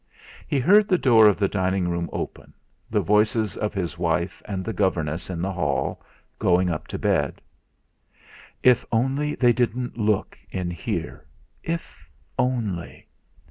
He heard the door of the drawing room open, the voices of his wife and the governess in the hall, going up to bed. If only they didn't look in here! If only!